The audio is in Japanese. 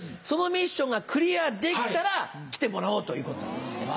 そのミッションがクリアできたら来てもらおうということなんです。